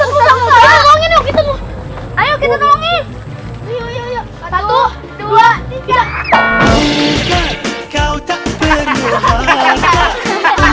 bukan bukan karena